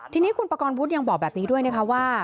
ทีนี้คุณประกอบวุฒิยังบอกแบบนี้ด้วยนะคะว่า